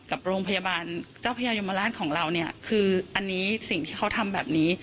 กับโรงพยาบาลเจ้าพญายมราชของเราเนี่ยคืออันนี้สิ่งที่เขาทำแบบนี้